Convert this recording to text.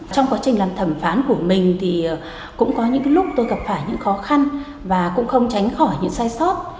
trong quá trình làm thẩm phán của mình thì cũng có những lúc tôi gặp phải những khó khăn và cũng không tránh khỏi những sai sót